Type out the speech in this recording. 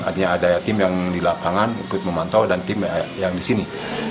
artinya ada tim yang di lapangan ikut memantau dan tim yang di sini